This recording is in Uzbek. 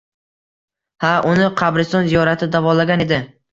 Ha, uni qabriston ziyorati davolagan edi.